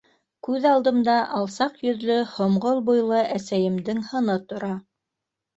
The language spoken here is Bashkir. Күҙ алдымда алсаҡ йөҙлө, һомғол буйлы әсәйемдең һыны тора.